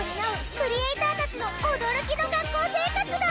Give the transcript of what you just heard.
クリエイターたちの驚きの学校生活が！